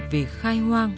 về khai hoang